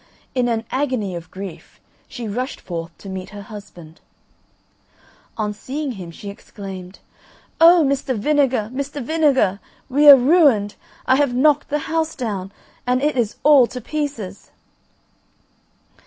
In an agony of grief she rushed forth to meet her husband. On seeing him she exclaimed, "Oh, Mr. Vinegar, Mr. Vinegar, we are ruined, I have knocked the house down, and it is all to pieces!"